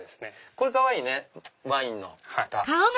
これかわいいねワインのふた。